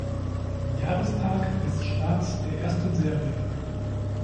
Jahrestag des Starts der ersten Serie.